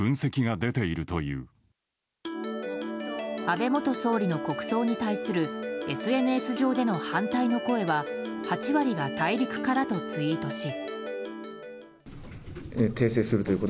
安倍元総理の国葬に反対するＳＮＳ上での反対の声は８割が大陸からとツイートし。